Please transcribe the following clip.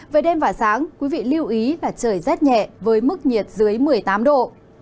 về đêm và sáng quý vị lưu ý là trời rét nhẹ với mức nhiệt dưới một mươi tám độ